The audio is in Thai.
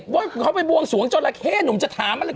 ว่าเขาไปบวงสวงจราเข้หนุ่มจะถามอะไร